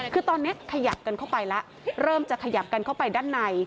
คือตอนนี้ขยับกันเข้าไปแล้วเริ่มจะขยับกันเข้าไปด้านใน